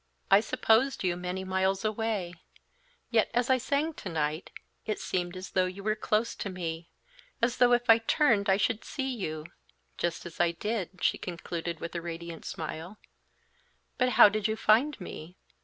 I supposed you many miles away, yet, as I sang to night, it seemed as though you were close to me, as though if I turned I should see you just as I did," she concluded, with a radiant smile. "But how did you find me?"